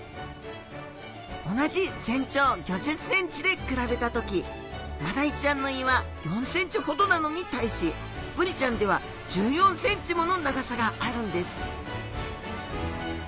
同じ全長５０センチで比べた時マダイちゃんの胃は４センチほどなのに対しブリちゃんでは１４センチもの長さがあるんです